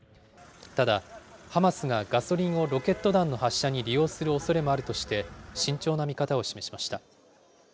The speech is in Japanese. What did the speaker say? ただ、ハマスがガソリンをロケット弾の発射に利用するおそれもあるとして、慎重な見方を示しました。